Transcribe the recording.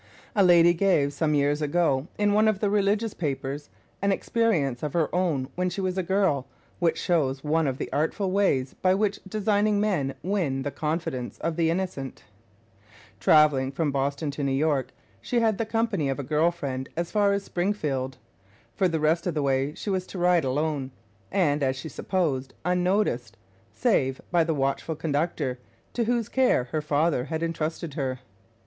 A lady gave, some years ago, in one of the religious papers, an experience of her own when she was a girl, which shows one of the artful ways by which designing men win the confidence of the innocent. Traveling from Boston to New York, she had the company of a girl friend as far as Springfield. For the rest of the way she was to ride alone, and, as she supposed, unnoticed, save by the watchful conductor, to whose care her father had entrusted her.